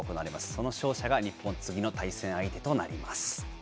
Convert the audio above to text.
その勝者が日本、次の対戦相手となります。